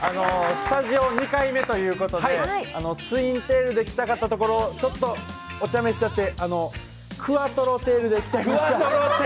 スタジオ２回目ということで、ツインテールで来たかったところちょっとお茶目しちゃって、クアトロテールで来ちゃいました。